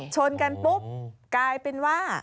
ชนกันปุ๊บกลายเป็นว่า